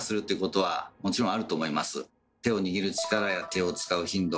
手を握る力や手を使う頻度